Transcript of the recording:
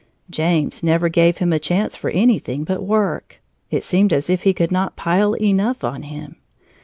James never gave him a chance for anything but work; it seemed as if he could not pile enough on him.